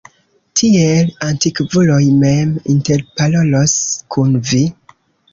Tiel antikvuloj mem interparolos kun vi.